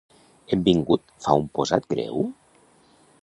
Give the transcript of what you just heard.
En Vingut fa un posat greu?